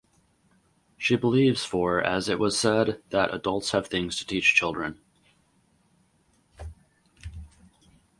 She believes for as it was said that adults have things to teach children.